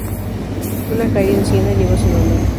Una calle en Siena lleva su nombre.